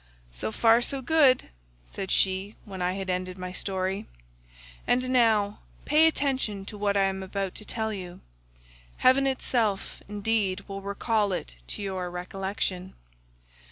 "'So far so good,' said she, when I had ended my story, 'and now pay attention to what I am about to tell you—heaven itself, indeed, will recall it to your recollection.